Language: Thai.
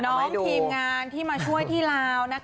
น้องทีมงานที่มาช่วยที่ลาว